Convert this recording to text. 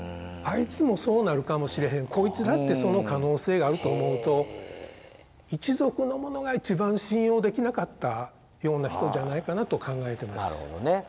あいつもそうなるかもしれへんこいつだってその可能性があると思うと一族の者が一番信用できなかったような人じゃないかなと考えてます。